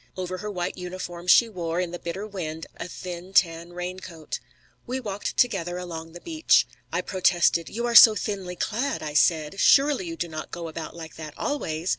Over her white uniform she wore, in the bitter wind, a thin tan raincoat. We walked together along the beach. I protested. "You are so thinly clad," I said. "Surely you do not go about like that always!"